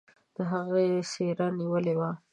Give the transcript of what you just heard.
د هغې څيره نيولې وه.